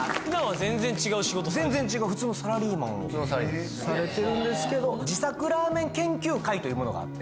全然違う普通のサラリーマンですされてるんですけど自作ラーメン研究会というものがあって